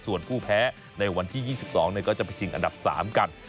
ส่วนผู้แพ้ในวันที่๒๒ก็จะไปชิงอันดับ๓กัน